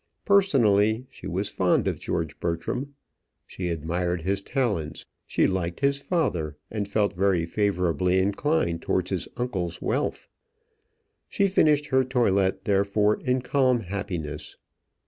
Personally, she was fond of George Bertram; she admired his talents, she liked his father, and felt very favourably inclined towards his uncle's wealth. She finished her toilet therefore in calm happiness.